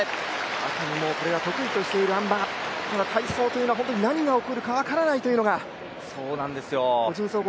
川上もこれは得意としているあん馬、ただ体操というのは何が起こるか分からないというのが個人総合